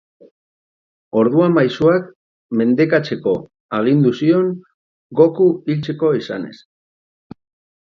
Orduan maisuak mendekatzeko agindu zion, Goku hiltzeko esanez.